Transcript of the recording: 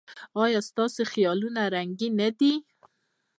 ایا ستاسو خیالونه رنګین نه دي؟